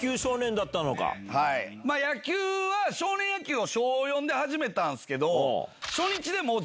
野球は少年野球を小４で始めたんすけど。